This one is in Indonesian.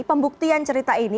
pembuktian cerita ini